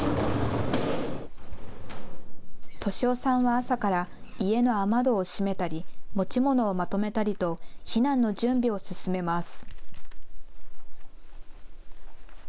敏男さんは朝から家の雨戸を閉めたり持ち物をまとめたりと避難の準備を進めます。